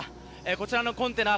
こちらのコンテナ